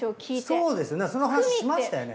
そうですねその話しましたよね？